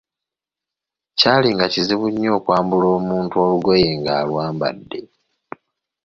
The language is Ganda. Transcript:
Kyaali nga kizibu nnyo okwambula omuntu olugoye ng'alwambadde.